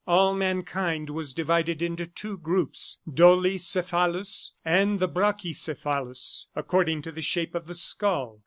All mankind was divided into two groups dolicephalous and the brachicephalous, according to the shape of the skull.